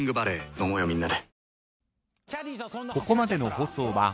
飲もうよみんなで。